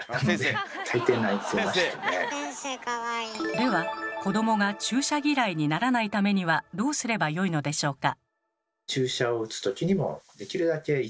では子どもが注射嫌いにならないためにはどうすればよいのでしょうか？